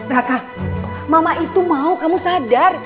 raka mama itu mau kamu sadar